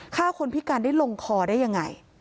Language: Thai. ฆ่าคนพิการได้ลงคอได้ยังไง